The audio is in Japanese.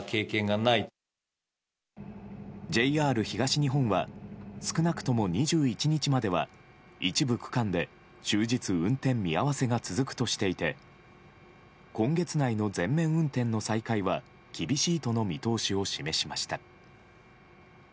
ＪＲ東日本は少なくとも２１日までは一部区間で終日運転見合わせが続くとしていて今月内の全面運転の再開は厳しいとの見通しを示しました。